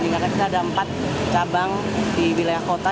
di jakarta ada empat cabang di wilayah kota